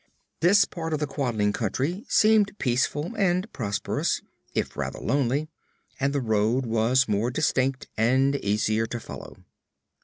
This part of the Quadling Country seemed peaceful and prosperous, if rather lonely, and the road was more distinct and easier to follow.